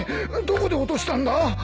どこで落としたんだ！